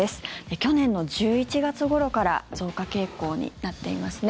去年の１１月ごろから増加傾向になっていますね。